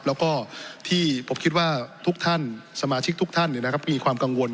แล้วก็ที่ผมคิดว่าทุกท่านสมาชิกทุกท่านมีความกังวล